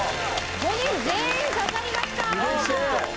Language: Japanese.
５人全員刺さりました。